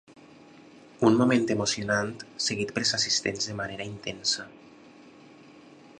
Un moment emocionant seguit pels assistents de manera intensa.